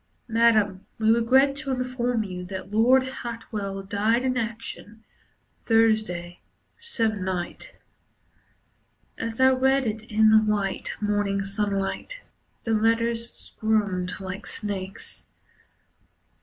"Madam, we regret to inform you that Lord Hartwell Died in action Thursday se'nnight." As I read it in the white, morning sunlight, The letters squirmed like snakes.